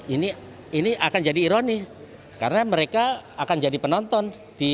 ini akan jadi ironis karena mereka akan jadi penonton